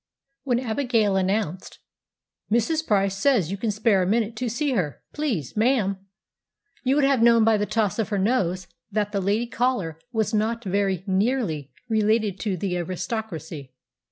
WHEN Abigail announced, "Mrs. Price says can you spare a minute to see her, please, ma'am," you would have known by the toss of her nose that the lady caller was not very nearly related to the aristocracy.